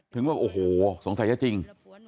ว่าโอ้โหสงสัยจะจริง